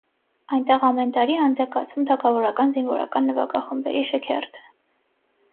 Այնտեղ ամեն տարի անց է կացվում թագավորական զինվորական նվագախմբերի շքերթը։